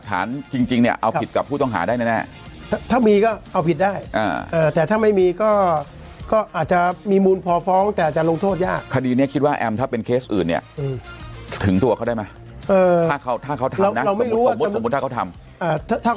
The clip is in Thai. ถ้าเค้าทำนะสมมุติถ้าเค้าทำ